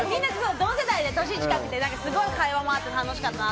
同世代で年が近くて会話もあって楽しかったな。